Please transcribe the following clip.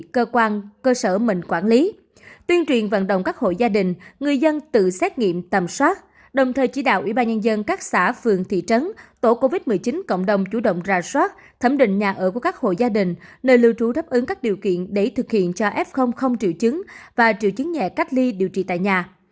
cơ quan cơ sở mình quản lý tuyên truyền vận động các hộ gia đình người dân tự xét nghiệm tầm soát đồng thời chỉ đạo ubnd các xã phường thị trấn tổ covid một mươi chín cộng đồng chủ động ra soát thẩm định nhà ở của các hộ gia đình nơi lưu trú đáp ứng các điều kiện để thực hiện cho f không triệu chứng và triệu chứng nhẹ cách ly điều trị tại nhà